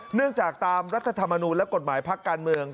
จากตามรัฐธรรมนูลและกฎหมายพักการเมือง